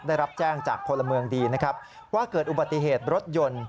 ได้รับแจ้งจากพลเมืองดีนะครับว่าเกิดอุบัติเหตุรถยนต์